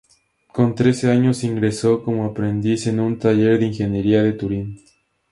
Con trece años ingresó como aprendiz en un taller de ingeniería de Turín.